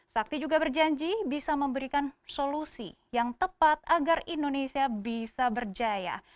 sakti juga berjanji bisa memberikan solusi yang tepat agar indonesia bisa berjaya